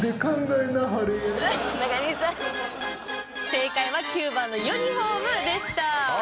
正解は９番のユニフォームでした。